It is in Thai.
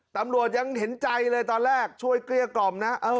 ตำรวจยังเห็นใจเลยตอนแรกช่วยเกลี้ยกล่อมนะ